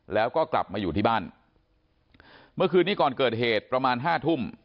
แล้วก็กลับมาอยู่ที่บ้านเมื่อคืนนี้ก่อนเกิดเหตุประมาณห้าทุ่ม